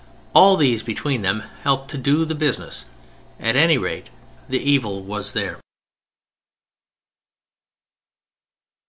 All these between them helped to do the business. At any rate the evil was there.